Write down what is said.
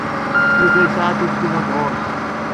Yuba yesɛa tasiwant ɣer-s.